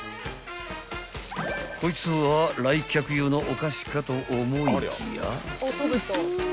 ［こいつは来客用のお菓子かと思いきや］